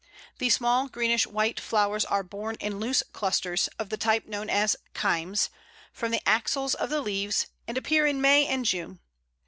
The small greenish white flowers are borne in loose clusters, of the type known as cymes, from the axils of the leaves, and appear in May and June.